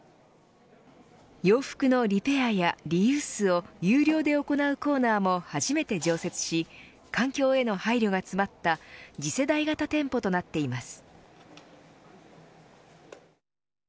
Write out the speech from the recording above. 洋服のリペアやリユースを有料で行うコーナーも初めて常設し環境への配慮が詰まった次世代型店舗となっています。